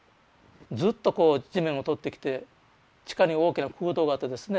ずっとこう地面を通ってきて地下に大きな空洞があってですね